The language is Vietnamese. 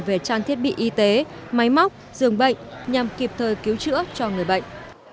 về trang thiết bị y tế máy móc dường bệnh nhằm kịp thời cứu chữa cho người bệnh